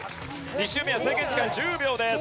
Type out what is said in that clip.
２周目は制限時間１０秒です。